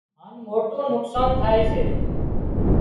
هانَ موٽُون نقصان ٿائي سي